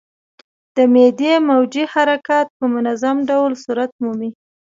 د معدې موجې حرکات په منظم ډول صورت مومي.